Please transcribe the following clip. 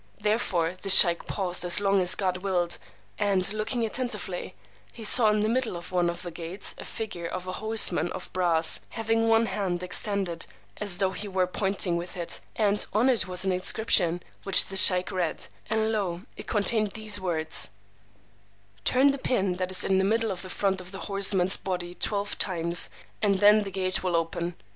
Therefore the sheykh paused as long as God willed, and looking attentively, he saw in the middle of one of the gates a figure of a horseman of brass, having one hand extended, as though he were pointing with it, and on it was an inscription, which the sheykh read, and lo, it contained these words: Turn the pin that is in the middle of the front of the horseman's body twelve times, and then the gate will open.